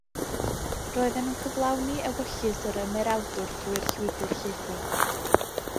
Roedden nhw'n cyflawni ewyllys yr Ymerawdwr drwy'r Llwybr Llaethog.